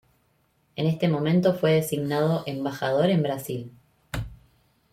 En este momento fue designado embajador en Brasil.